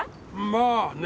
まあね。